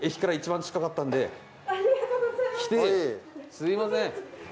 すいません。